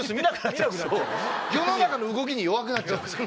世の中の動きに弱くなっちゃうんですよ。